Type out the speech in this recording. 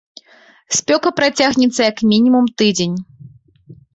Спёка працягнецца як мінімум тыдзень.